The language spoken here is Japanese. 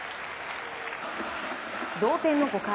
同点の５回。